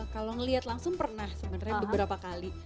kalo ngeliat langsung pernah sebenernya beberapa kali